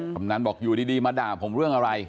คำนั้นบอกอยู่ดีมาด่าผมเรื่องอะไร